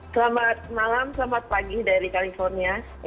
selamat malam selamat pagi dari california